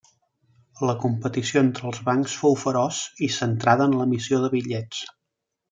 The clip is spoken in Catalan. La competició entre els bancs, fou feroç, i centrada en l'emissió de bitllets.